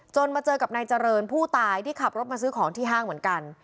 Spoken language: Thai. มาเจอกับนายเจริญผู้ตายที่ขับรถมาซื้อของที่ห้างเหมือนกัน